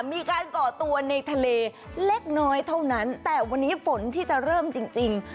ก่อตัวในทะเลเล็กน้อยเท่านั้นแต่วันนี้ฝนที่จะเริ่มจริงจริง